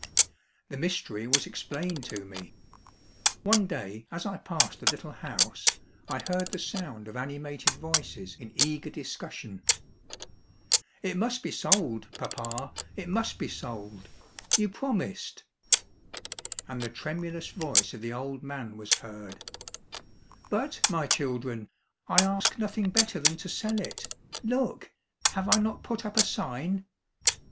The mystery was explained to me. One day as I passed the little house, I heard the sound of ani mated voices in eager discussion. It must be sold, papa, it must be sold. You promised." And the tremulous voice of the old man was heard, —" But, my children, I ask nothing better than to sell it. Look ! Have I not put up a sign ?